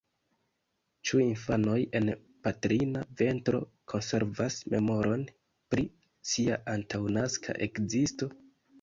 Ĉu infanoj en patrina ventro konservas memoron pri sia antaŭnaska ekzisto?